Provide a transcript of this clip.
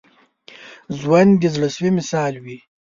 ژوندي د زړه سوي مثال وي